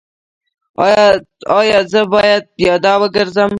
ایا زه باید پیاده وګرځم؟